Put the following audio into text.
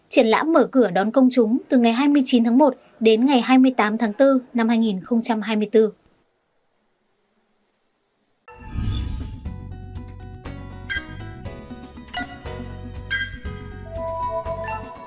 triển lãm mở cửa đón công chúng từ ngày hai mươi chín tháng một đến ngày hai mươi tám tháng bốn năm hai nghìn hai mươi bốn